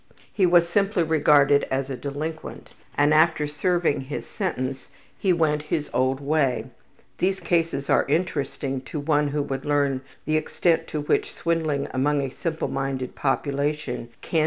He was simply regarded as a delinquent, and after serving his sentence he went his old way. These cases are interesting to one who would learn the extent to which swindling among a simple minded population can be carried on.